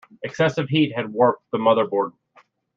Excessive heat had warped the motherboard.